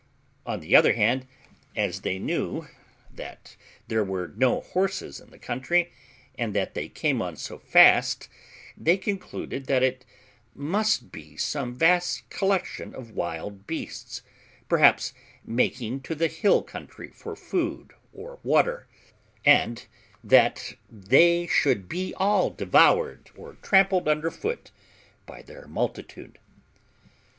On the other hand, as they knew that there were no horses in the country, and that they came on so fast, they concluded that it must be some vast collection of wild beasts, perhaps making to the hill country for food or water, and that they should be all devoured or trampled under foot by their multitude.